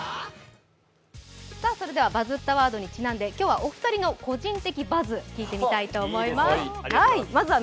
それでは「バズったワード」にちなんで、今日はお二人の個人的バズを聞いていきたいと思います。